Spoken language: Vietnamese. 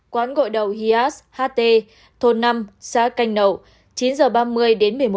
quán gọi đầu hias ht thôn bốn hương ngải chín h ba mươi ngày hai mươi chín tháng một mươi một năm hai nghìn hai mươi một